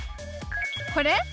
これ？